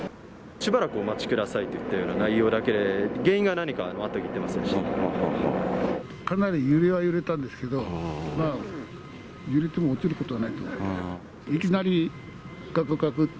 しばらくお待ちくださいといった内容だけで、原因が何かは全く言かなり揺れは揺れたんですけど、まあ揺れても落ちることはないと思って。